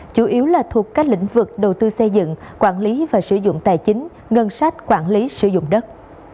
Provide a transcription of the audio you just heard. chủ yếu là thuộc các lĩnh vực đầu tư xây dựng quản lý và sử dụng tài chính ngân sách quản lý sử dụng đất